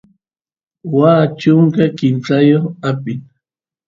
waa chunka kimsayoq apin